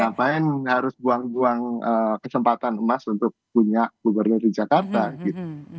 ngapain harus buang buang kesempatan emas untuk punya gubernur di jakarta gitu